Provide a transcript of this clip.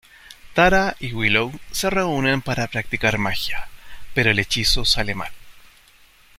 Tara y Willow se reúnen para practicar magia, pero el hechizo sale mal.